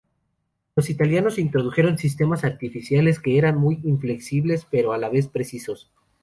Los italianos introdujeron "sistemas artificiales", que eran muy inflexibles, pero a la vez, precisos.